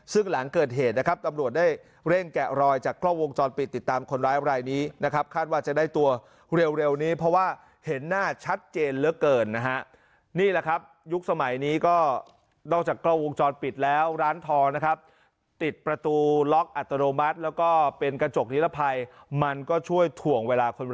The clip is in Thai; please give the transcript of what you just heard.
ซึ่งหลังเกิดเหตุนะครับตำรวจได้เร่งแกะรอยจากกล้าวง